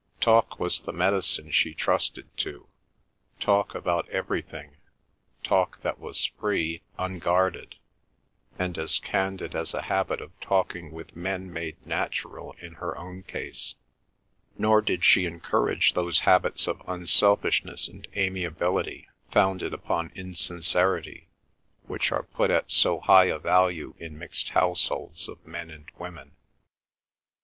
Talk was the medicine she trusted to, talk about everything, talk that was free, unguarded, and as candid as a habit of talking with men made natural in her own case. Nor did she encourage those habits of unselfishness and amiability founded upon insincerity which are put at so high a value in mixed households of men and women.